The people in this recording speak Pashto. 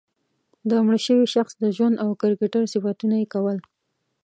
د مړه شوي شخص د ژوند او کرکټر صفتونه یې کول.